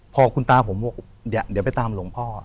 พอคุณตาผมบอกเดี๋ยวไปตามหลวงพ่อ